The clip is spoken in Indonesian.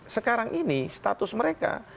sekarang ini status mereka